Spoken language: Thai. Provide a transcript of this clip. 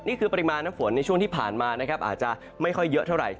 นี่คือปริมาณน้ำฝนในช่วงที่ผ่านมานะครับอาจจะไม่ค่อยเยอะเท่าไหร่